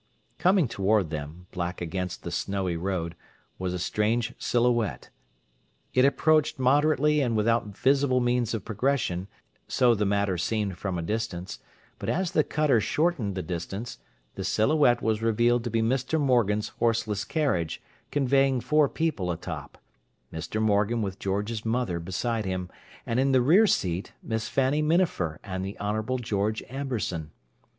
Coming toward them, black against the snowy road, was a strange silhouette. It approached moderately and without visible means of progression, so the matter seemed from a distance; but as the cutter shortened the distance, the silhouette was revealed to be Mr. Morgan's horseless carriage, conveying four people atop: Mr. Morgan with George's mother beside him, and, in the rear seat, Miss Fanny Minafer and the Honourable George Amberson.